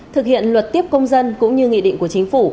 thực hiện luật tiếp công dân cũng như nghị định của chính phủ